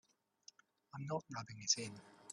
I'm not rubbing it in.